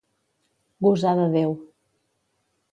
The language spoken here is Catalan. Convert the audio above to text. Gosar de Déu.